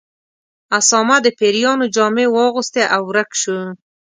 اسامه د پیریانو جامې واغوستې او ورک شو.